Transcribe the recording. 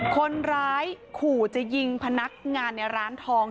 คนร้ายขู่จะยิงพนักงานในร้านทอง